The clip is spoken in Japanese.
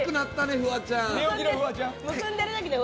フワちゃん。